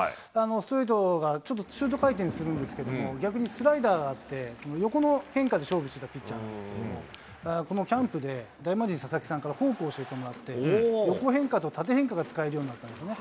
ストレートがちょっとシュート回転するんですけど、逆にスライダーがあって、横の変化で勝負するピッチャーなんですけれども、このキャンプで、大魔神、佐々木さんにフォークを教えてもらって、横変化と縦変化が使えるようになったんですね。